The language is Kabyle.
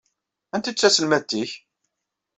Anta ay d taselmadt-nnek?